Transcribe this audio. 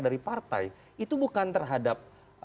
dari partai itu bukan terhadap